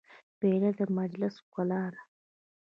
پیاله د مجلس ښکلا ده.